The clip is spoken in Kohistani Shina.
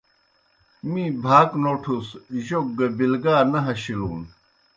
می بھاک نوٹُس جوْک گہ بِلگا نہ ہشِلُن۔